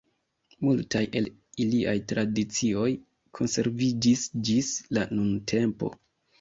Multaj el iliaj tradicioj konserviĝis ĝis la nuntempo.